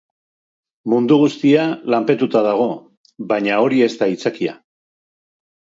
Mundu guztia lanpetuta dago, baina hori ez da aitzakia.